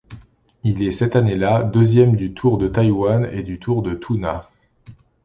Il est cette année-là deuxième du Tour de Taïwan et du Tour de Toona.